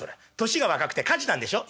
「年が若くて火事なんでしょ？」。